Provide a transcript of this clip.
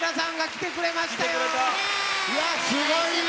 いやすごいね！